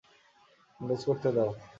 আন্দাজ করতে দাও।